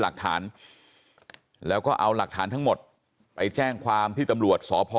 หลักฐานแล้วก็เอาหลักฐานทั้งหมดไปแจ้งความที่ตำรวจสพ